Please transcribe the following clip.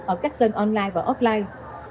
ở các tên online và offline